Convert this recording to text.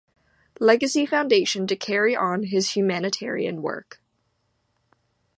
Legacy Foundation to carry on his humanitarian work.